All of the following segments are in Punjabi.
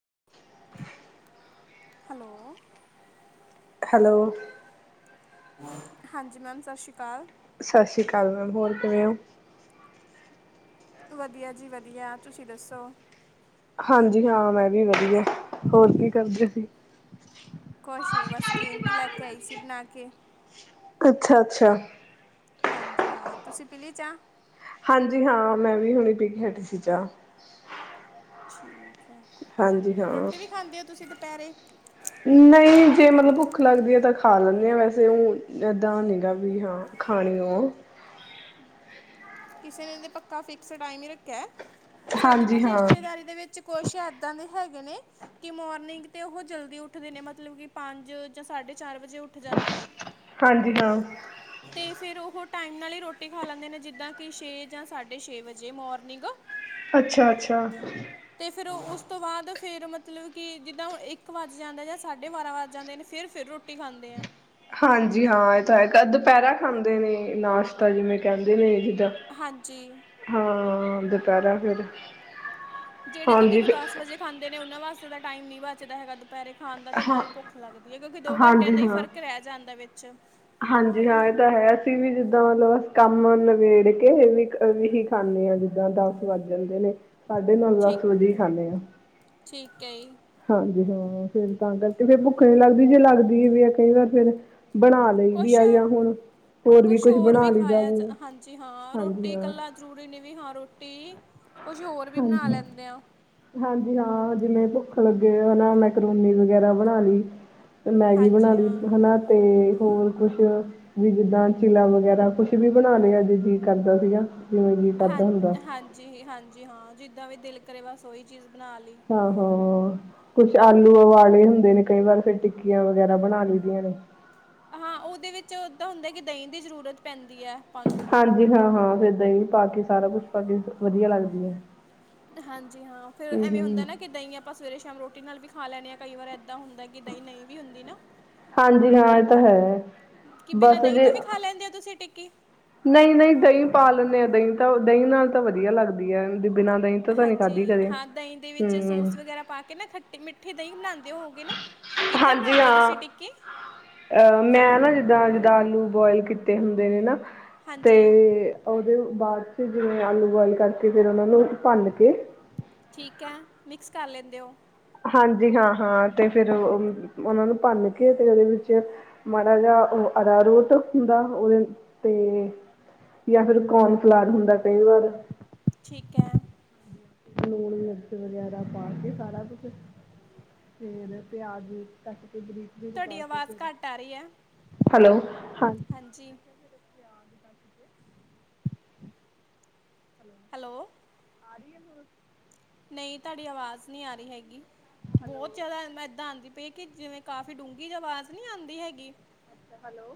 [unintelligible] ਹਲੋ ਹੈਲੋ ਹਾਂਜੀ, ਮੈਮ ਸ਼ਸ਼ੀ ਕਾਲ ਸ਼ਾਸ਼ੀ ਕਾਲ ਮੈਮ ਹੋਰ ਕਿਵੇਂ ਓ ਵਧੀਆ ਜੀ ਵਧੀਆ ਤੁਸੀ ਦੱਸੋ ਹਾਂਜੀ ਹਾਂ ਮੈਂ ਵੀ ਵਧੀਆ, ਹੋਰ ਕੀ ਕਰਦੇ ਸੀ? ਕੋਛ ਨੀ ਬਸ ਗ੍ਰੀਨ ਟੀ ਲੈ ਕੇ ਆਈ ਸੀ ਬਨਾ ਕੇ ਅੱਛਾ, ਅੱਛਾ ਹਾਂਜੀ ਹਾਂ, ਤੁਸੀ ਪੀਲੀ ਚਾ ਹਾਂਜੀ ਹਾਂ ਮੈਂ ਵੀ ਹੁਨੇ ਪੀ ਕੇ ਹਟੀ ਸੀ ਚਾ। [inaudible] ਰੋਟੀ ਵੀ ਖਾਂਦੇ ਓ ਤੁਸੀ [inaudible] ਦੁਪੈਰੇ ਨਈ ਜੇ ਮਤਲਬ ਭੁੱਖ ਲੱਗਦੀ ਏ ਤਾਂ ਖਾ ਲੈਨੇ ਆਂ, ਵੈਸੇ ਉ ਏਦਾਂ ਨਈ ਹੈਗਾ ਵੀ ਹਾਂ ਖਾਣੀ ਓ। ਕਿਸੇ ਨੇ ਤੇ ਪੱਕਾ ਫਿਕਸ ਟਾਈਮ ਈ ਰਖਆ ਹੈ। ਸਾਡੇ ਨਾ ਹਾਂਜੀ ਹਾਂ, ਰਿਸ਼ਤੇਦਾਰੀ ਦੇ ਵੇਚ ਕੋਛ ਏਦਾਂ ਦੇ ਹੈਗੇ ਨੇ, ਕਿ ਮੋਰਨਿੰਗ ਤੇ ਓ ਜਲਦੀ ਉਠਦੇ ਨੇ ਮਤਲਬ ਕਿ ਪੰਜ, ਜਾਂ ਸਾਢੇ ਚਾਰ ਵਜੇ ਉਠ ਜਾਂਦੇ ਨੇ ਹਾਂਜੀ ਹਾਂ ਓ ਟਾਈਮ ਨਾਲ ਈ ਰੋਟੀ ਖਾ ਲੈਂਦੇ ਨੇ ਜਿਦਾਂ ਕਿ ਛੇ ਜਾਂ ਸਾਢੇ ਛੇ ਵਜੇ ਮੋਰਨਿੰਗ ਅੱਛਾ, ਅੱਛਾ ਤੇ ਫਿਰ ਉਸ ਤੋ ਬਾਦ ਫੇਰ ਮਤਲਬ ਕਿ ਜਿਦਾਂ ਇਕ ਵਜ ਜਾਂਦਾ, ਜਾਂ ਸਾਢੇ ਬਾਰਾਂ ਵਜ ਜਾਂਦੇ ਫੇਰ, ਫੇਰ ਰੋਟੀ ਖਾਂਦੇ ਆ ਹਾਂਜੀ ਹਾਂ ਏਹ ਤਾ‌ਹੈਗਾ ਦੁਪੈਰਾ ਖਾਂਦੇ ਨੇ ਨਾਸ਼ਤਾ ਜਿਵੇਂ ਕੈਂਦੇ ਨੇ ਹਾਂਜੀ ਹਾਂ ਦੁਪੈਰਾ ਫੇਰ ਜਿਹੜੇ ਤੇ ਦੇਖੋ ਦਾਸ ਵਜੇ ਖਾਂਦੇ ਨੇ ਉਨਾ ਵਾਸ [inaudible] ਟਾਈਮ ਨੀ ਬਚਦਾ ਹੈਗਾ ਦੁਪੈਰੇ ਖਾਨ ਦਾ ਤੇ ਨਾ ਹਾਂ, ਹੀ ਭੁੱਖ ਲਾਗਦੀ ਹੈ ਕਿਉਂਕਿ ਦੋ ਘੰਟਿਆਂ ਹਾਂਜੀ ਦਾ ਹੀ ਹਾਂ। ਫ਼ਰਕ ਰਹਿ ਜਾਂਦਾ ਵਿੱਚ ਹਾਂਜੀ ਹਾਂ ਏਹ ਤਾ ਹੈ ਅਸੀ ਵੀ ਜਿਦਾਂ ਮਲਬ ਕੰਮ ਨਬੇੜ ਕੇ ਵੀ ਖਾਨੇ ਆ, ਜਿਦਾਂ ਦਾਸ ਵਜ ਜਾਂਦੇ ਨੇ ਸਾਢੇ ਨੌ ਠੀਕ ਦਾਸ ਵਜੇ ਈ ਖਾਂਨੇ ਆ। ਠੀਕ ਹੈ ਜੀ ਹਾਂਜੀ ਹਾਂ ਫੇਰ ਤਾਂ ਕਰਕੇ, ਫੇਰ ਭੁੱਖ ਨੀ ਲਾਗਦੀ ਜੇ ਲਾਗਦੀ ਵੀ ਐ ਕਈ ਵਾਰ ਫੇਰ ਬਨਾ ਕੁਛ-ਕੁਛ ਕੁਛ ਹੋਰ ਬਣਾ ਵੀ ਲਈਦਾ ਖਾਏਆ ਜਿਵੇਂ ਜਾ ਹਾਂਜੀ ਹਾਂ ਹਾਂਜੀ ਰੋਟੀ ਹਾਂ ਕਲਾ ਜ਼ਰੂਰੀ ਨੀ ਵੀ ਹਾਂ ਰੋਟੀ ਕੁਛ ਹੋਰ ਵੀ ਬਣਾ ਹਾਂਜੀ, ਲੈਂਦੇ ਆ ਹਾਂਜੀ ਹਾਂ ਜਿਵੇਂ ਭੁੱਖ ਲੱਗੇ ਓ ਨਾ ਮੈਕਰੋਨੀ ਵਗੈਰਾ ਬਨਾ ਲੀ ਮੈਗੀ ਬਨਾ ਹਾਂਜੀ ਲੀ ਹਾਂ ਹੈਨਾ ਤੇ ਹੋਰ ਕੁਛ ਵੀ ਜਿੱਦਾਂ ਚਿਲਾ ਵਗੈਰਾ ਕੁਛ ਵੀ ਬਣਾ ਲਿਆ ਜੇ ਜੀ ਕਰਦਾ ਸੀਗਾ। ਜਿਵੇਂ ਜੀਅ ਹਾਂ ਕਰਦਾ ਹੁੰਦਾ ਹਾਂਜੀ ਹਾਂਜੀ ਹਾਂ ਜੀ ਦਾ ਵੀ ਦਿਲ ਕਰੇ ਬਸ ਓਹੀ ਚੀਜ਼ ਬਣਾ ਲਈ ਆਹੋ। ਕੁਛ ਆਲੂ ਉਵਾਲੇ ਹੁੰਦੇ ਨੇ। ਕਈ ਵਾਰ ਫਿਰ ਟਿੱਕੀਆਂ ਵਗੈਰਾ ਬਣਾ ਲਈਦੀਆਂ ਨੇ। ਹਾਂ ਉਹਦੇ ਵਿੱਚ ਇਦਾਂ ਹੁੰਦਾ ਕਿ ਦਹੀਂ ਦੀ ਜ਼ਰੂਰਤ ਪੈਂਦੀ ਐ ਪਾ ਹਾਂਜੀ ਹਾਂ ਹਾਂ ਫੇਰ ਦਹੀ ਪਾ ਕੇ ਸਾਰਾ ਕੁਛ ਪਾ ਕੇ ਵਧੀਆ ਲੱਗਦੀ ਐ। ਹਾਂਜੀ ਹਾਂ, ਫੇਰ ਐਵੇਂ ਹੁੰਦਾ ਨਾ ਕਿ ਦਹੀਂ ਆਪਾਂ ਸਵੇਰੇ ਸ਼ਾਮ ਰੋਟੀ ਨਾਲ ਵੀ ਖਾ ਲੈਣੇ ਆ ਕਈ ਵਾਰ ਇਦਾਂ ਹੁੰਦਾ ਕਿ ਦਹੀ ਨਹੀ ਵੀ ਹੁੰਦੀ ਨਾ। ਹਾਂਜੀ ਹਾਂ, ਇਹ ਤਾਂ ਹੈ ਬਸ ਜੇ ਕੀ? ਨਹੀਂ ਨਹੀਂ ਦਹੀਂ ਪਾ ਲੈਨੇ ਆ, ਦਹੀਂ ਤਾਂ ਦਹੀਂ ਨਾਲ ਤਾਂ ਵਧੀਆ ਲੱਗਦੀ ਹੈ। ਬਿਨਾਂ ਦਹੀਂ ਤੋਂ ਤਾਂ ਨਹੀਂ ਹਾਂਜੀ ਖਾਧੀ ਕਦੇ ਹਾਂ, ਦਹੀਂ ਦੇ ਵਿੱਚ ਹਮ ਸੋਸ ਵਗੈਰਾ ਪਾ ਕੇ ਨਾ ਖਟੀ ਮਿੱਠੀ ਦਹੀਂ ਬਣਾਂਦੇ ਹੋ। ਹਾਂਜੀ ਹਾਂ, ਤੁਸੀਂ ਟਿੱਕੀ ਅਹ ਮੈਂ ਨਾ ਜਿੱਦਾਂ ਦਾ ਆਲੂ ਬੋਇਲ ਕੀਤੇ ਹੁੰਦੇ ਨੇ ਨਾ। ਤੇ ਹਾਂਜੀ ਉਹਦੇ ਬਾਅਦ ਚ ਜਿਵੇਂ ਆਲੂ ਬੋਇਲ ਕਰਕੇ ਫੇਰ ਉਹਨਾਂ ਨੂੰ ਭੰਨ ਕੇ ਠੀਕ ਹੈ ਮਿਕਸ ਕਰ ਲੈਂਦੇ ਹੋ। ਹਾਂਜੀ ਹਾਂ ਹਾਂ ਤੇ ਫਿਰ ਉਹਨਾਂ ਨੂੰ ਭੰਨ ਕੇ ਤੇ ਉਹਦੇ ਵਿੱਚ ਮਾੜਾ ਜਿਹਾ ਅਰਾਰੋਟ ਹੁੰਦਾ ਉਹਦੇ ਤੇ ਯਾਂ ਫਿਰ ਕੋਨ ਫਲਾਰ ਹੁੰਦਾ ਕਈ ਵਾਰ। ਠੀਕ ਹੈ। ਲੂਣ ਮਿਰਚ ਵਗੈਰਾ ਪਾ ਕੇ ਸਾਰਾ ਕੁਛ ਫੇਰ ਪਿਆਜ ਵੀ ਕੱਟ ਬਰੀਕ ਬਰੀਕ ਤੁਹਾਡੀ ਨਾ ਕੇ ਆਵਾਜ਼ ਓਤੇ ਘੱਟ ਆ ਰਹੀ ਹੈ ਹੈਲੋ। ਹਾਂ ਹਾਂਜੀ। [unintelligible] ਹੈਲੋ। ਆ ਰਹੀ ਆ ਹੋ ਨਹੀਂ ਤੁਹਾਡੀ ਆਵਾਜ਼ ਨਹੀਂ ਆ ਰਹੀ ਹੈਗੀ। ਹੈਲੋ ਬਹੁਤ ਜ਼ਿਆਦਾ ਮੈਂ ਆਦੀ ਪਈ ਕਿ ਜਿਵੇਂ ਕਾਫ਼ੀ ਡੂੰਘੀ ਆਵਾਜ਼ ਨਹੀਂ ਆਉਂਦੀ ਹੈਗੀ। ਹੈਲੋ।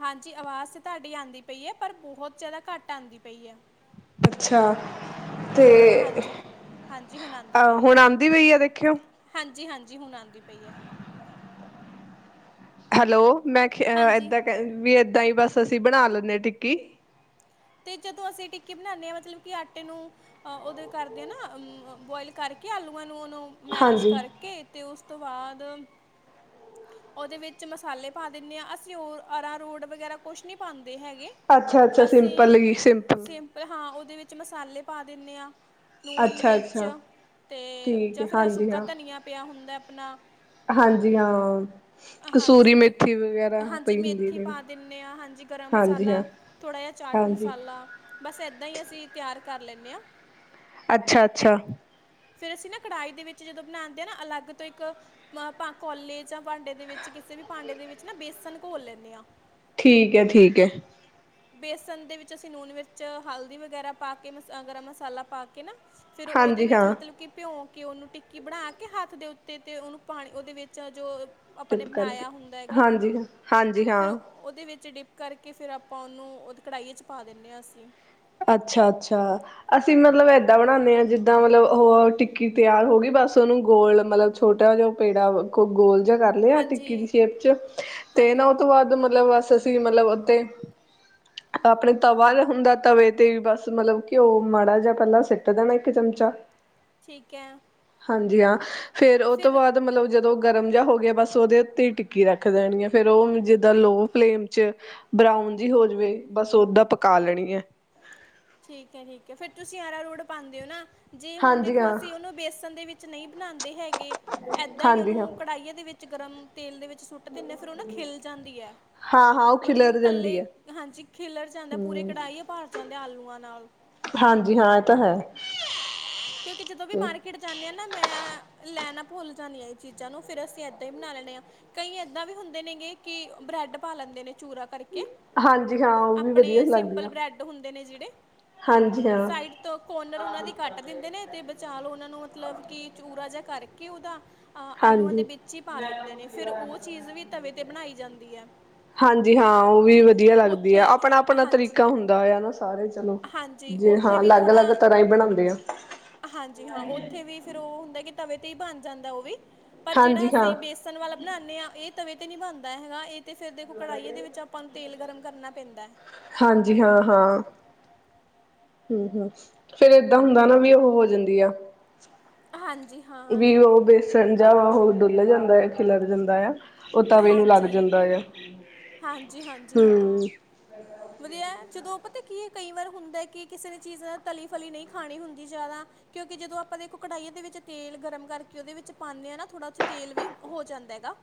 ਹਾਂਜੀ ਆਵਾਜ਼ ਤੇ ਤੁਹਾਡੀ ਆਉਂਦੀ ਪਈ ਹੈ ਪਰ ਬਹੁਤ ਜਿਆਦਾ ਘੱਟ ਆਉਂਦੀ ਪਈ ਹੈ। ਅੱਛਾ ਤੇ ਹਾਂਜੀ ਹਾਂਜੀ ਹੁਣ ਆਉਂਦੀ ਅ ਪਈ ਹੁਣ ਆਉਂਦੀ ਪਈ ਆ ਦੇਖਿਓ ਜੀ ਹੁਣ ਆਉਂਦੀ ਪਈ ਹੈ। ਹੈਲੋ। ਮੈਂ ਹਾਂਜੀ ਇਦਾਂ ਵੀ ਇਦਾਂ ਹੀ ਬਸ ਅਸੀਂ ਬਣਾ ਲੈਂਦੇ ਹਾਂ ਟਿੱਕੀ ਤੇ ਜਦੋਂ ਅਸੀਂ ਟਿੱਕੇ ਬਣਾਦੇ ਹ ਮਤਲਬ ਕਿ ਆਟੇ ਨੂੰ ਉਹਦੇ ਕਰਦੇ ਹ ਨਾ ਅ ਬੋਇਲ ਕਰਕੇ ਆਲੂਆਂ। ਉਹਨੂੰ ਮੈਲਿਸ਼ ਹਾਂਜੀ ਕਰਕੇ ਤੇ ਉਸ ਤੋਂ ਬਾਅਦ ਉਹਦੇ ਵਿੱਚ ਮਸਾਲੇ ਪਾ ਦਿੰਦੇ ਹਾਂ ਅਸੀਂ ਉਹ ਅਰ ਰੋਡ ਵਗੈਰਾ ਕੁਛ ਨਹੀਂੀ ਪਾਉਂਦੇ ਹੈਗੇ ਅੱਛਾ ਅੱਛਾ [unintelligible] ਸਿੰਪਲ ਹੀ ਸਿੰਪਲ ਹਾਂ ਉਹਦੇ ਵਿੱਚ ਮਸਾਲ [unintelligible] ਨੂਣ ਅੱਛਾ ਮਿਰਚ ਅੱਛਾ ਤੇ ਠੀਕ ਜਾਂ ਹੈ ਫਿਰ ਹਾਂਜੀ ਸੁੱਕਾ ਹਾਂ ਧਨੀਆ ਪਿਆ ਹੁੰਦਾ ਆਪਣਾ ਹਾਂਜੀ ਹਾਂ ਕਸੂਰੀ ਹਾਂਜੀ ਤੇ ਮੇਥੀ ਵਗੈਰਾ ਹਾਂਜੀ ਪਈ ਹੁੰਦੀ ਮੇਥੀ ਨੇ ਪਾ ਦਿੰਦੇ ਹਾਂ ਹਾਂਜੀ ਗਰਮ ਹਾਂਜੀ ਹਾਂ ਮਸਾਲਾ ਥੋੜ੍ਹਾ ਜਿਹਾ ਚਾਟ ਹਾਂਜੀ ਮਸਾਲਾ ਬਸ ਏਦਾਂ ਹੀ ਅਸੀਂ ਤਿਆਰ ਕਰ ਲੈਂਦੇ ਆਾਂ। ਅੱਛਾ, ਅੱਛਾ। ਫਿਰ ਅਸੀਂ ਨਾ ਕੜਾਹੀ ਦੇ ਵਿੱਚ ਜਦੋਂ ਬਣਾਉਦੇ ਆ ਨਾ ਅਲੱਗ ਤੋਂ ਇੱਕ ਕੋਲੇ ਜਾਂ ਭਾਂਡੇ ਦੇ ਵਿੱਚ ਕਿਸੇ ਵੀ ਭਾਂਡੇ ਦੇ ਵਿੱਚ ਨਾ ਬੇਸਨ ਘੋਲ ਲੈਂਦੇ ਆ ਠੀਕ ਹੈ, ਠੀਕ ਹੈ। [unintelligible] ਸਨ ਦੇ ਵਿੱਚ ਅਸੀਂ ਨੂਣ ਮਿਰ ਹਲਦੀ ਵਗੈਰਾ ਪਾ ਕੇ ਮਸ ਗਰਮ ਮਸਾਲਾ ਪਾ ਕੇ ਨਾ ਫੇਿਰ ਉਹਦੇ ਹਾਂਜੀ ਵਿੱਚ ਹਾਂ ਮਤਲਬ ਕਿ ਭਿਉ ਕੇ ਉਹਨੂੰ ਟਿੱ ਕਿ ਬਣਾ ਕੇ ਹੱਥ ਦੇ ਉੱਤੇ ਅਤੇ ਉਹਨੂੰ ਪਾਣੀ ਉਹਦੇ ਵਿੱਚ ਜੋ ਆਪਾਂ ਨੇ ਟਿਪ ਕਰਕੇ ਬਣਾਇਆ ਹੁੰਦਾ ਹੈਗਾ ਹਾਂਜੀ ਹਾਂਜੀ ਫਿਰ ਹਾਂ ਉਹਦੇ ਵਿੱਚ ਡਿਪ ਕਰਕੇ ਫਿਰ ਆਪਾਂ ਉਹਨੂੰ ਉਹ ਕੜਾਹੀ ਚ ਪਾ ਦਿੰਦੇ ਹਾਂ ਅਸੀਂ ਅੱਛਾ, ਅੱਛਾ ਅਸੀਂ ਮਤਲਬ ਏਦਾਂ ਬਣਾਉਦੇ ਹਾਂ ਜਿੱਦਾਂ ਮਤਲਬ ਉਹ ਟਿੱਕੀ ਤਿਆਰ ਹੋ ਗਈ ਬਸ ਉਹਨੂੰ ਗੋਲ ਮਤਲਬ ਛੋਟਾ ਜਿਹਾ ਪੇੜਾ ਗੋਲ ਗੋਆ ਕਰ ਲਿਆ ਟਿੱਕੀ ਦੀ ਹਾਂਜੀ ਸ਼ੇਪ ਚ ਤੇ ਨਾ ਹਾਂਜੀ ਉਹ ਤੋਂ ਬਾਅਦ ਮਤਲਬ ਅਸੀਂ ਮਤਲਬ ਉੱਥੇ ਆਪਣੇ ਤਵਾ ਦਾ ਹੁੰਦਾ ਤਵੇ ਤੇ ਬਸ ਮਤਲਬ ਕਿ ਉਹ ਮਾੜਾ ਜਿਹਾ ਪਹਿਲਾਂ ਸਿੱਟ ਦੇਣਾ ਇੱਕ ਚਮਚਾ ਠੀਕ ਹੈ। ਹਾਂਜੀ ਹ। ਫੇਿਰ ਉਹ ਤੋਂ ਫਿਰ ਬਾਅਦ ਮਤਲਬ ਜਦੋਂ ਗਰਮ ਜਿਹਾ ਹੋ ਗਿਆ, ਬਸ ਉਹਦੇ ਉੱਤੇ ਟਿੱਕੀ ਰੱਖ ਦੇਣੀ ਹੈ। ਫਿਰ ਉਹ ਜਿੱਦਾਂ ਲੋ ਫਲੇਮ ਚ ਬਰਾਊਨ ਜਿ ਹੋ ਜਾਵੇ, ਬਸ ਓਦਾਂ ਪਕਾ ਲੈਣੀ ਹੈ। ਠੀਕ ਹੈ, ਠੀਕ ਹੈ। ਫਿਰ ਤੁਸੀਂ ਆਰਾ ਰੋਡ ਪਾਉਂਦੇ ਹੋ ਨਾ? ਜੇ ਹੁਣ ਹਾਂਜੀ ਦੇਖੋ, ਹਾਂ ਅਸੀਂ ਉਹਨੂੰ ਬੇਸਨ ਦੇ ਵਿੱਚ ਨਹੀਂ ਬਨਾਂਦੇ ਹੈਗੇ, ਏਦਾਂ ਹੀ ਹਾਂਜੀ ਹਾਂ ਉਹਨੂੰ ਕੜਾਹੀ ਦੇ ਵਿੱਚ ਗਰਮ ਤੇਲ ਦੇ ਵਿੱਚ ਸੁੱਟ ਦਿੰਦੇ ਹ ਫਿਰ, ਉਹ ਨਾ ਖਿਲ ਜਾਂਦੀ ਹੈ। ਹਾਂ ਹਾਂ ਉਹ ਮਤਲਬ ਖਿਲਰ ਜਾਂਦੀ ਕੱਲੇ ਹੈ ਹਾਂਜੀ ਖਿਲਰ ਜਾਂਦਾ ਪੂਰੇ ਹਮ ਕੜਾਹੀ ਭਾਰ ਜਾਂਦੇ ਆਲੂ ਹਾਂਜੀ ਹਾਂ ਇਹ ਤਾਂ ਹੈ। ਕਿਉਂਕਿ ਜਦੋਂ ਵੀ ਮਾਰਕੀਟ ਜਾਂਦੇ ਆ ਨਾ ਮੈਂ ਲੈ ਨਾ ਭੁੱਲ ਜਾਂਦੀਆਂ ਇਹ ਚੀਜ਼ਾਂ ਨੂੰ, ਫਿਰ ਅਸੀਂ ਇੱਦਾਂ ਹੀ ਬਣਾ ਲੈਣੇ ਹਾਂ। ਕਈ ਏਦਾਂ ਵੀ ਹੁੰਦੇ ਨੇਗੇ, ਕਿ ਬ੍ਰੈਡ ਪਾ ਲੈਂਦੇ ਨੇ ਚੂਰਾ ਕਰਕੇ। ਹਾਂਜੀ ਹਾਂ ਉਹ ਵੀ ਵਧੀਆ ਆਪਣੇ ਲੱਗਦੀ ਸਿੰਪਲ ਆ ਬ੍ਰੈਡ ਹੁੰਦੇ ਨੇ ਜਿਹੜੇ ਹਾਂਜੀ ਹਾਂ ਸਾਈਡ ਤੋਂ ਕੋਰਨਰ ਉਹਨਾਂ ਦੀ ਕੱਟ ਦਿੰਦੇ ਨੇ, ਤੇ ਬਚਾ ਲੋ ਉਹਨਾਂ ਨੂੰ, ਮਤਲਬ ਕਿ ਚੂਰਾ ਜ ਕਰਕੇ ਉਹਦਾ ਆਲੂਆਂ ਦੇ ਵਿੱਚ ਹੀ ਪਾ ਲੈਂਦੇ ਨੇ ਫਿਰ ਉਹ ਚੀਜ਼ ਵੀ ਤਵੇ ਤੇ ਬਣਾਈ ਜਾਂਦੀ ਹੈ ਹਾਂਜੀ-ਹਾਂਜੀ ਹਾਂ ਉਹ ਵੀ ਵਧੀਆ ਲੱਗਦੀ ਆ ਉੱਥੇ ਆਪਣਾ, ਆਪਣਾ ਤਰੀਕਾ ਹਾਂਜੀ ਹੁੰਦਾ ਹੋਆ ਨਾ ਸਾਰੇ ਚਲੋ ਹਾਂਜੀ ਜੇ ਉੱਥੇ ਹਾਂ ਵੀ ਅਲੱਗ, ਥੋੜਾ ਅਲੱਗ ਤਰ੍ਹਾਂ ਹੀ ਬਣਾਉਂਦੇ ਆ। ਹਾਂਜੀ, ਹਾਂ ਉੱਥੇ ਵੀ ਫਿਰ ਉਹ ਹੁੰਦਾ ਤਵੇ ਤੇ ਹੀ ਬਣ ਜਾਂਦਾ ਔ ਵੀ। ਪਰ ਜਿਹੜਾ ਹਾਂਜੀ ਹਾਂ ਅਸੀਂ ਬੇਸਨ ਵਾਲਾ ਬਣਾਉਂਨੇ ਆਂ, ਇਹ ਤਵੇ ਤੇ ਨਹੀ ਬਨਦਾ ਹੈਗਾ। ਇਹ ਤੇ ਫ਼ਿਰ ਦੇਖੋ ਕੜਾਹੀਆਂ ਦੇ ਵਿੱਚ ਆਪਾਂ ਨੂੰ ਤੇਲ ਗਰਮ ਕਰਨਾ ਪੈਂਦਾ। ਹਾਂਜੀ ਹਾਂ, ਹਾਂ ਹੂੰ, ਹੂੰ ਫ਼ੇਰ ਏਦਾਂ ਹੁੰਦਾ ਨਾ ਵੀ ਉਹ ਹੋ ਜਾਂਦੀ ਆ। [unintelligible] [unintelligible] ਫਿਰ ਜਾ ਤਾਂ ਔ ਡੁੱਲ ਜਾਂਦਾ ਆ, ਖਿਲਰ ਜਾਂਦਾ ਆ। ਉਹ ਤਵੇ ਨੂੰ ਲੱਗ ਜਾਂਦਾ ਆ ਹਾਂਜੀ-ਹਾਂਜੀ, ਹਾਂਜੀ ਹਾਂ ਹੂੰ ਵਧੀਆ ਜਦੋ ਕੀ ਕਈ ਵਾਰ ਹੁੰਦਾ ਕਿ ਕਿਸੇ ਨੇ ਚੀਜ਼ ਤਲੀ-ਫਲੀ ਨਹੀਂ ਨਹੀ ਖਾਣੀ ਹੁੰਦੀ ਜਿਆਦਾ, ਕਿਉਂਕਿ ਜਦੋਂ ਆਪਾਂ ਦੇਖੋ ਕੜਾਈਏ ਦੇ ਵਿੱਚ ਤੇਲ ਗਰਮ ਕਰਕੇ ਓਦੇ ਵਿੱਚ ਪਾਦੇ ਹਾਂ, ਨਾ ਥੋੜਾ ਉ ਤੇਲ ਵੀ ਹੋ ਜਾਂਦਾ ਹੈਗਾ।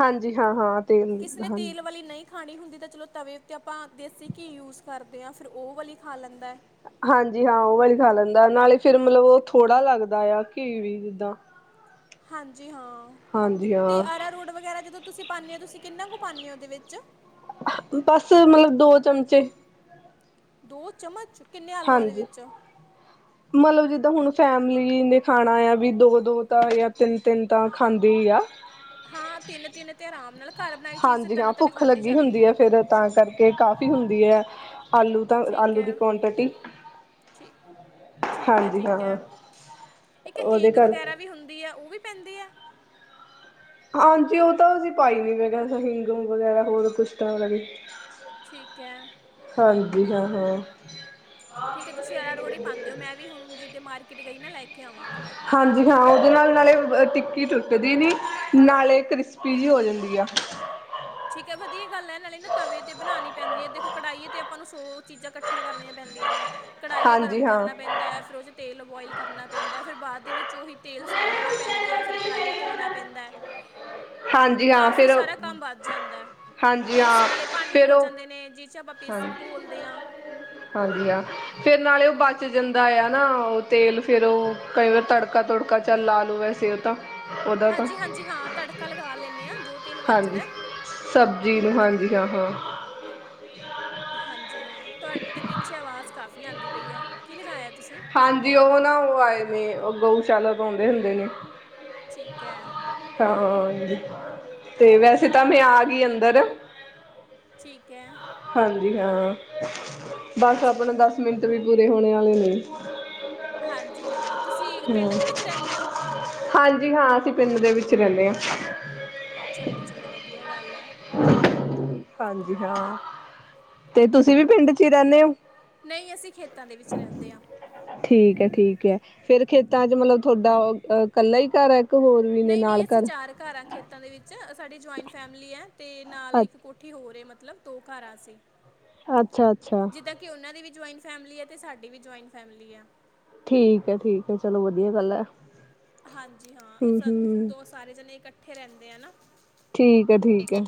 ਹਾਂਜੀ ਹਾਂ, ਹਾਂ ਤੇ ਕਿਸੇ ਨੇ ਹਾਂ ਤੇਲ ਵਾਲੀ ਨਹੀਂ ਖਾਣੀ ਹੁੰਦੀ ਤਾਂ ਚਲੋ ਤਵੇ ਤੇ ਆਪਾਂ ਦੇਸੀ ਘੀ ਯੂਜ ਕਰਦੇ ਹਾਂ, ਫਿਰ ਉਹ ਵਾਲੀ ਖਾ ਲੈਂਦਾ। ਹਾਂਜੀ ਹਾਂ ਉਹ ਵਾਲੀ ਖਾ ਲੈਂਦਾ। ਨਾਲੇ ਫਿਰ ਮਤਲਬ ਉਹ ਥੋੜ੍ਹਾ ਲੱਗਦਾ ਆ, ਕਿ ਵੀ ਜਿੱਦਾਂ ਹਾਂਜੀ। ਹਾਂ ਹਾਂਜੀ ਤੇ, ਹਾਂ ਅਰਾਰੂਟ ਵਗੈਰਾ ਜਦੋਂ ਤੁਸੀਂ ਪਾਨੇ ਹੋ। ਤੁਸੀਂ ਕਿੰਨਾ ਕੁ ਪਾਨੇ ਹੋ ਉਹਦੇ ਵਿੱਚ? ਬਸ ਮਤਲਬ ਦੋ ਚਮਚੇ। ਦੋ ਚਮਚ? ਕਿੰਨੇ ਆਲੂਆਂ ਦੇ ਹਾਂਜੀ ਵਿੱਚ -ਮਤਲਬ ਜਿੱਦਾਂ ਹੁਣ ਫੈਮਿਲੀ ਨੇ ਖਾਣਾ ਆ ਵੀ ਦੋ- ਦੋ ਤਾਂ ਜਾਂ ਤਿੰਨ- ਤਿੰਨ ਤਾਂ ਖਾਂਦੇ ਹੀ ਆ। ਹਾਂ, ਤਿੰਨ- ਤਿੰਨ ਤੇ ਆਰਾਮ ਨਾਲ ਘਰ ਬਣਾਈ ਚੀਜ਼ ਤੇ ਹਾਂਜੀ ਤਿੰਨ ਹਾਂ ਤਿੰਨ ਭੁੱਖ ਖਾਧੀ ਲੱਗੀ ਜਾਂਦੀ ਹੁੰਦੀ ਹੈ। ਫਿਰ ਤਾਂ ਕਰਕੇ ਕਾਫ਼ੀ ਹੁੰਦੀ ਹੈ। ਆਲੂ ਤਾਂ ਠੀਕ ਆਲੂ ਹੈ ਦੀ ਕੁਆਂਟਿਟੀ ਠੀਕ ਠੀਕ ਹੈ ਹਾਂਜੀ ਹਾਂ ਠੀਕ ਹੈ ਇੱਕ ਉਹਦੇ ਹਿੰਗ ਕਰਕੇ ਵਗੈਰਾ ਵੀ ਹੁੰਦੀ ਹੈ। ਉਹ ਵੀ। ਪੈਂਦੀ ਅ। ਹਾਂਜੀ। ਉਹ ਤਾਂ ਅਸੀਂ ਪਾਈ ਹੋਈ, ਹਿੰਗ- ਹੁਗੰ ਵਗੈਰਾ ਹੋਰ ਕੁਛ ਤਾਂ ਵੀ ਠੀਕ ਹੈ। [unintelligible] [inaudible] ਠੀਕ ਹੈ। ਤੁਸੀਂ ਅਰਾਰੋੜ ਹੀ ਪਾਂਦੇ ਹੋ, ਮੈਂ ਵੀ ਹੁਨ ਜਿਦੇ ਮਾਰ ਕਿਟ, ਗਈ ਨਾ ਲੈ ਕੇ ਆਵਾਂਗੀ ਹਾਂਜੀ ਹਾਂ। ਉਹਦੇ ਨਾਲ। ਨਾਲੇ ਓ ਟਿੱਕੀ ਟੁਟਦੀ ਨਈ, ਨਾਲੇ ਕ੍ਰਿਸਪੀ, ਜੀ ਹੋ ਜਾਂਦੀ ਆ ਠੀਕ ਹੈ ਵਧੀਆ ਗੱਲ ਹੈ ਨਾਲੇ ਨਾ ਤਵੇ ਤੇ ਬਨਾਨੀ ਪੈਂਦੀ ਹੈ, ਦੇਖੋ ਨ ਕੜਾਈ ਤੇ, ਆਪਾਂ ਨੂੰ ਸੌ ਚੀਜ਼ਾਂ ਇਕੱਠੀਆਂ, ਕਰਨੀਆਂ ਪੈਂਦੀਆਂ ਨੇ ਕੜਾਈ ਏ ਗਰਮ ਹਾਂਜੀ ਹਾਂ ਕਰਨਾ ਪੈਂਦਾ ਹੈ ਫਿਰ ਉਦੇ'ਚ ਤੇਲ ਬੋਇਲ ਕਰਨਾ ਪੈਂਦਾ, ਫਿਰ ਬਾਅਦ ਦੇ ਵਿੱਚ ੳਹੀ ਤੇਲ, ਸਾਂਭਣਾ ਪੈਂਦਾ ਹੈ। ਫਿਰ ਕੜਾਹੀਆਂ ਧੋਣਾ ਪੈਂਦਾ ਹਾਂਜੀ ਹਾਂ ਕਾਫੀ ਫਿਰ ਸਾਰਾ ਕੰਮ ਵੱਧ ਜਾਂਦਾ ਹਾਂਜੀ ਹਾਂ ਬੇਸਣ ਆਲੇ ਭਾਂਡੇ ਫਿਰ ਹੋ ਉਹ ਜਾਂਦੇ ਨੇ ਜ। ਹਾਂਜੀ ਹਾਂਜੀ ਹਾਂ, ਫਿਰ ਨਾਲੇ ਉਹ ਬਾ ਬਚ ਜਾਂਦਾ, ਆ ਨਾ ਉਹ ਤੇਲ ਫਿਰ ਉਹ ਕਈ ਵਾਰ, ਤੜਕਾ ਤੁੜਕਾ ਚੱਲ ਲਾ ਲਉ ਵੈਸੇ ਉਹ ਤਾਂ ਉਹਦਾ ਤਾਂ ਹਾਂਜੀ- ਹਾਂਜੀ ਹਾਂ ਤੜਕਾ ਲਗਾ ਲੈਂਣੇ ਆ, ਜੋ ਤੇਲ ਬਚਦਾ ਅਹਾ। [inaudible] [inaudible] ਹਾਂਜੀ ਜੀ ਹਾਂ ਤੁਹਾਡੇ ਤੇ ਪਿੱਛੇ ਆਵਾਜ਼। ਕਾਫੀ, ਆਂਦੀ ਪਈ ਹੈ। ਕੀ ਲਗਾਇਆ ਤੁਸੀਂ ਹਾਂਜੀ ਉਹ ਨਾ ਉਹ ਆਏ ਨੇ ਉਹ ਗਊ ਚਾਲ ਪਾਉਂਦੇ ਹੁੰਦੇ ਨੇ ਠੀਕ ਐ ਹਾਂ ਤੇ ਵੈਸੇ ਤਾਂ ਮੈਂ ਆ ਗਈ ਅੰਦਰ ਠੀਕ ਏ ਹਾਂਜੀ ਹਾਂ ਬਸ ਆਪਣਾ ਚਲੋ ਦਸ ਮਿੰਟ ਵੀ ਪੂਰੇ ਹੋਣੇ ਆਲੇ ਨਈ। ਹਾਂਜੀ ਹਾਂ ਤੁਸੀਂ ਪਿੰਡ ਦੇ ਵਿੱਚ ਰਹਿੰਦੇ ਹੋ। ਹਾਂਜੀ ਹਾਂ ਅਸੀਂ ਪਿੰਡ ਦੇ ਵਿੱਚ ਰਹਿੰਦੇ ਆਂ। ਚਲੋ ਚਲੋ ਵਧੀਆ ਗੱਲ ਹੈ। ਹਾਂਜੀ ਹਾਂ, ਤੇ ਤੁਸੀਂ ਵੀ ਪਿੰਡ ਚ ਹੀ ਰਹਿਨੇ ਔ। ਨਹੀਂ ਅਸੀਂ ਖੇਤਾਂ ਦੇ ਵਿੱਚ ਰਹਿੰਦੇ ਆਂ। ਠੀਕ ਹੈ ਠੀਕ ਹੈ ਫੇਰ ਖੇਤਾਂ ਚ ਮਤਲਬ ਤੁਹਾਡਾ ਕੱਲਾ ਹੀ ਘਰ ਹੈ। ਹੋਰ ਵੀ ਨੇ ਨਹੀਂ ਨਹੀਂ ਨਾਲ ਅਸੀਂ ਚਾਰ ਘਰ ਹਾਂ ਖੇਤਾਂ ਦੇ ਵਿੱਚ ਸਾਡੀ ਜੁਆਇੰਟ ਫੈਮਿਲੀ ਹੈ। ਤੇ ਨਾਲ ਇੱਕ ਕੋਠੀ ਹੋਰ ਏ। ਮਤਲਬ ਦੋ ਘਰ ਆਂ ਅਸੀ। ਅੱਛਾ-ਅੱਛਾ ਜੁਆਇੰਟ ਫੈਮਿਲੀ ਆ ਤੇ ਸਾਡੀ ਵੀ ਜੁਆਇੰਟ ਫੈਮਿਲੀ ਆ ਠੀਕ ਹੈ- ਠੀਕ ਹੈ ਚਲੋ ਵਧੀਆ ਗੱਲ ਹੈ ਹਾਂਜੀ ਹਾਂ ਇਹ ਹਮ ਸ ਹਮ ਦੋ ਸਾਰੇ ਜਣੇ ਇਕੱਠੇ ਇਕੱਠੇ ਰਹਿੰਦੇ ਆ ਨਾ ਠੀਕ ਹੈ- ਠੀਕ ਹੈ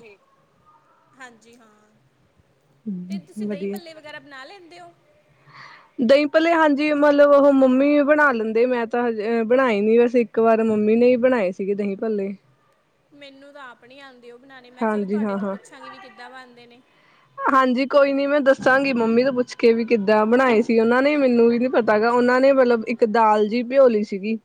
ਹਾਂਜੀ ਹਾਂ ਤੇ ਤੁਸੀਂ ਦਹੀਂ ਵਧੀਆ ਪੱਲੇ ਵਗੈਰਾ ਬਣਾ ਲੈਂਦੇ ਦਿਓ ਦਹੀਂ ਪੱਲੇ ਹਾਂਜੀ ਮਤਲਬ ਉਹ ਮੰਮੀ ਬਣਾ ਲੈਂਦੇ ਮੈਂ ਤਾਂ ਹਜੇ ਬਣਾਈ ਨੀ ਬਸ ਇੱਕ ਵਾਰ ਮੰਮੀ ਨੇ ਹੀ ਬਣਾਏ ਸੀਗੇ ਦਹੀਂ ਪੱਲੇ ਮੈਨੂੰ ਤਾਂ ਆਪਣੀ ਆਨ ਦੇ ਓ ਬਣਾਉਣੇ ਮੈਂ ਚਲੋ ਹਾਂਜੀ ਤੁਹਾਡੇ ਹਾਂ ਤੋਂ ਹਾਂ ਪੁੱਛਾਂਗੀ ਵੀ ਕਿ ਕਿੱਦਾਂ ਬਣਦੇ ਨੇ ਸਾਂਗੀ ਮੰਮੀ ਤੋਂ ਪੁੱਛ ਕੇ ਵੀ ਕਿੱਦਾਂ ਬਣਾਏ ਸੀ ਉਹਨਾਂ ਨੇ ਮੈਨੂੰ ਵੀ ਨੀ ਪਤਾਾ ਉਹਨਾਂ ਨੇ ਮਤਲਬ ਇੱਕ ਦਾਲ ਜਿਹੀ ਪਿਓਲੀ ਸੀਗੀ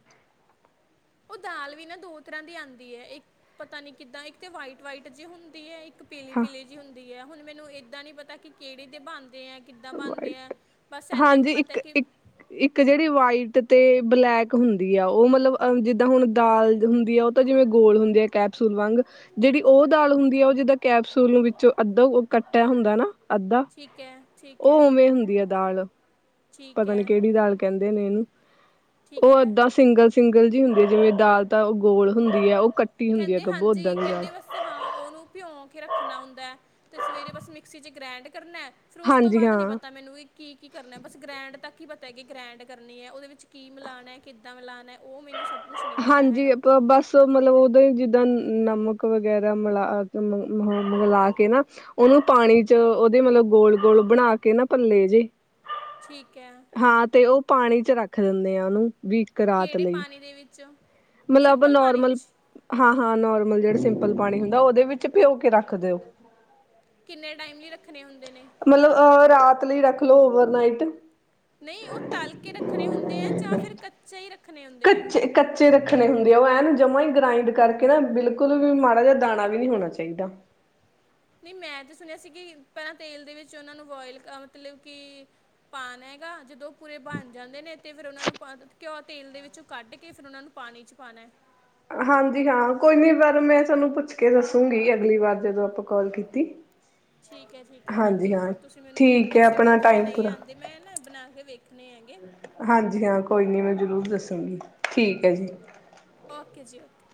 ਉਹ ਦਾਲ ਵੀ ਨਾ ਦੋ ਤਰ੍ਹਾਂ ਦੀ ਆਉਂਦੀ ਹੈਏ ਪਤਾ ਨੀ ਕਿੱਦਾਂ ਇੱਕ ਤੇ ਵਾਈਟ- ਵਾਈਟ ਜੇ ਹੁੰਦੀ ਆ ਇੱਕ ਪੀਲੀ ਹਾਂ -ਪੀਲੀ ਜਿ ਹੁੰਦੀ ਹੁਣ ਮੈਨੂੰ ਏਦਾਂ ਨੀ ਪਤਾ ਕਿਹੜੇ ਦੇ ਬਣਦੇ ਹੈ ਵਾਈਟ ਹਾਂਜੀ ਕਿ ਇੱਕ-ਇੱਕ- ਇੱਕ ਜਿਹੜੀ ਵਾਈਟ ਤੇ ਬਲੈਕ ਹੁੰਦੀ ਆ ਉਹ ਮਤਲਬ ਜਿੱਦਾਂ ਹੁਣ ਦਾਲ ਹੁੰਦੀ ਆ ਉਹ ਤਾਂ ਜਿਵੇਂ ਗੋਲ ਹੁੰਦੇ ਆ ਕੈਪਸੂਲ ਵਾਂਗ ਜਿਹੜੀ ਉਹ ਦਾਲ ਹੁੰਦੀ ਆ ਉਹ ਜਿੱਦਾਂ ਕੈਪਸੂਲ ਨੂੰ ਵਿੱਚ ਅੱਧਾ ਕੱਟਿਆ ਹੁੰਦਾ ਨਾ। ਅੱਧਾ ਠੀਕ ਹੈ ਠੀਕ ਉਹ ਹੈ ਉਵੇਂ ਹੁੰਦੀ ਆ ਦਾਲ ਠੀਕ ਪਤਾ ਨੀ ਹੈ ਕਿਹੜੀ ਦਾਲ ਕਹਿੰਦੇ ਨੇ ਇਹਨੂੰ ਠੀਕ ਉਹ ਹੈ ਏਦਾਂ ਸਿੰਗਲ- ਸਿੰਗਲ ਗਲ ਜਿਹੀ ਹੁੰਦੀ ਹੈ ਜਿਵੇਂ ਦਾਲ ਤਾਂ ਗੋਲ ਹੁੰਦੀ ਹੈ ਉਹ ਕੱਟੀ ਹੁੰਦੀ ਆ ਕਹਿੰਦੇ ਗੱਭੋ ਓਦਾਂ ਹਾਂਜੀ ਦੀ ਦਾਲ ਕਹਿੰਦੇ ਬਸ ਹਾਂ ਉਹਨੂੰ ਪਿਓ ਕੇ ਰੱਖਣਾ ਹੁੰਦਾ ਹੈ ਅਤੇ ਸਵੇਰੇ ਬਸ ਮਿਕਸੀ ਚ ਗ੍ਰੈਂਡ ਕਰਨਾ ਫਿਰ ਉਸ ਤੋਂ ਹਾਂਜੀ ਬਾਅਦ ਨੀ ਹਾਂ ਪਤਾ ਮੈਨੂੰ ਇਹ ਕੀ ਕੀ ਕਰਨਾ ਬਸ ਗ੍ਰੈਂਡ ਤੱਕ ਕੀ ਪਤਾ ਹੈ ਕਿ ਗ੍ਰੈਂਡ ਕਰਨੀ ਐ, ਉਹਦੇ ਵਿੱਚ ਕੀ ਮੀਲਾਣਾ ਐ, ਕਿੱਦਾਂ ਮੀਲਾਣਾ, ਉਹ ਮੈਨੂੰ ਸਭ- ਕੁਝ ਨਹੀਂ ਪਤਾ ਹਾਂਜੀ ਹੈਗਾ ਬਸ ਮਤਲਬ ਉਹ- ਜਿੱਦਾਂ ਨ ਨਮਕ ਵਗੈਰਾ ਮਿਲਾ ਮਿਲਾਹ ਕੇ ਨਾ ਉਹਨੂੰ ਪਾਣੀ ਚ ਉਹਦੇ ਮਤਲਬ ਗੋਲ ਗੋਲ ਬਣਾ ਕੇ ਨਾ ਪੱਲੇ ਜੇ- ਠੀਕ ਹੈ ਹਾਂ ਤੇ ਉਹ ਪਾਣੀ ਚ ਰੱਖ ਦਿੰਨੇ ਆ। ਉਹਨਾਂ ਨੂੰ ਵੀ ਇੱਕ ਰਾਤ ਕਿਹੜੇ ਲਈ- ਪਾਣੀ ਦੇ ਵਿੱਚ ਮਤਲਬ ਸਿੰਪਲ ਪਾਣੀ ਨੋਰਮਲ 'ਚ ਹਾਂ ਹਾਂ ਨੋਰ- ਮਲ ਜਿਹੜਾ ਸਿੰਪਲ ਪਾਣੀ ਹੁੰਦਾ ਉਹਦੇ ਵਿੱਚ ਪਿਓ ਕੇ ਰੱਖ ਦਿਓ। ਕਿੰਨੇ ਟਾਈਮ ਲਈ ਰੱਖਣੇ ਹੁੰਦ- ਮਤਲਬ ਅਹ ਰਾਤ ਲਈ ਰੱਖਲੋ ਓਵਰਨਾਈਟ। ਨਹੀਂ, ਉਹ ਤਲ ਕੇ ਰੱਖਣੇ ਹੁੰਦੇ ਐ ਜਾਂ ਫਿਰ ਕੱਚੇ ਹੀ ਰੱਖ ਕੱਚੇ-ਕੱਚੇ ਰੱਖਣੇ ਹੁੰ ਦੇ ਓ ਐਂਨ ਜਮਾ ਹੀ ਗ੍ਰਇੰਡ ਕਰਕੇ ਨਾ ਬਿਲਕੁਲ ਵੀ ਮਾੜਾ ਜਿਹਾ ਦਾਣਾ ਵੀ ਨੀ ਹੋਣਾ ਚਾਹੀਦਾ। ਨਹੀਂ, ਮੈਂ ਤਾਂ ਸੁਣਿਆ ਸੀ ਕਿ ਪਹਿਲਾਂ ਤੇਲ ਦੇ ਵਿੱਚ ਉਹਨਾਂ ਨੂੰ ਬੋਇਲ ਮਤਲਬ ਕਿ ਪਾਣਾ ਹੈਗਾ ਜਦੋਂ ਪੂਰੇ ਬਣ ਜਾਂਦੇ ਨੇ ਅਤੇ ਫਿਰ ਉਹਨਾਂ ਨੂੰ ਪਾਦੋ ਘਿਉ ਉਹ ਤੇਲ ਦੇ ਵਿੱਚੋਂ ਕੱਢ ਕੇ ਫਿਰ ਉਹਨਾਂ ਨੂੰ ਪਾਣੀ 'ਚ ਪਾਣਾ। ਹਾਂਜੀ, ਹਾਂ ਕੋਈ ਨੀ ਪਰ ਮੈਂ ਤੁਹਾਨੂੰ ਪੁੱਛ ਕੇ ਦੱਸੂੰਗੀ ਅਗਲੀ ਵਾਰ ਜਦੋਂ ਆਪਾਂ ਕੌਲ ਕੀਤੀ। ਠੀਕ ਹੈ- ਠੀਕ ਹੈ, ਹਾਂਜੀ -ਹਾਂ, ਤੁਸੀਂ ਮੈਨੂੰ ਜ਼ਰੂਰ ਠੀਕ ਹੈ ਦੱਸਿਓ ਆਪਣਾ ਕਿਉਂਕਿ ਮੈਂ ਟਾਈਮ ਨਹੀਂ ਪੂਰਾ ਆਂਦੀ ਮੈਂ ਨਾ ਬਣਾ ਕੇ ਵੇਖ ਹਾਂਜੀ- ਹਾਂ, ਕੋਈ ਨੀ ਮੈਂ ਜ਼ਰੂਰ ਦੱਸ ਦੂਗੀ, ਠੀਕ ਹੈ ਜੀ। ਓਕੇ ਜੀ ਓਕੇ।